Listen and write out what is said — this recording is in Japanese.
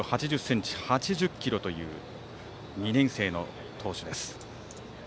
１ｍ８０ｃｍ、８０ｋｇという２年生の投手です。